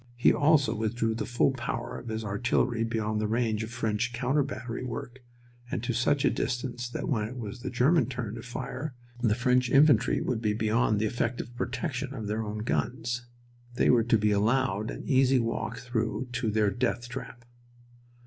He also withdrew the full power of his artillery beyond the range of French counter battery work and to such a distance that when it was the German turn to fire the French infantry would be beyond the effective protection of their own guns. They were to be allowed an easy walk through to their death trap.